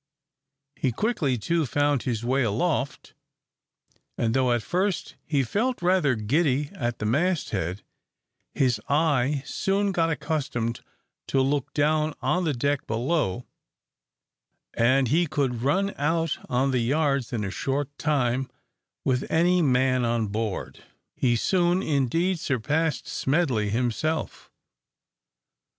He quickly, too, found his way aloft; and though at first he felt rather giddy at the mast head, his eye soon got accustomed to look down on the deck below, and he could run out on the yards in a short time with any man on board. He soon, indeed, surpassed Smedley himself.